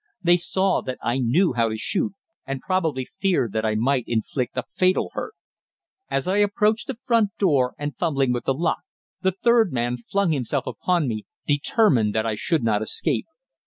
They saw that I knew how to shoot, and probably feared that I might inflict a fatal hurt. As I approached the front door, and was fumbling with the lock, the third man flung himself upon me, determined that I should not escape.